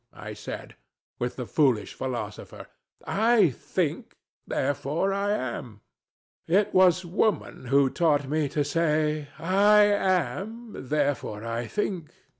I said, with the foolish philosopher, "I think; therefore I am." It was Woman who taught me to say "I am; therefore I think."